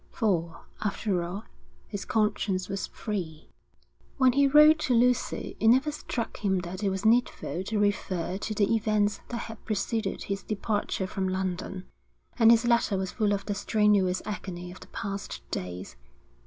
For, after all, his conscience was free. When he wrote to Lucy, it never struck him that it was needful to refer to the events that had preceded his departure from London, and his letter was full of the strenuous agony of the past days.